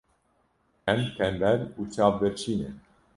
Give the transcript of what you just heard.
Em tembel û çavbirçî ne.